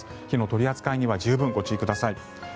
火の取り扱いには十分ご注意ください。